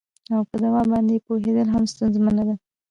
او په دوا باندې یې پوهیدل هم ستونزمنه ده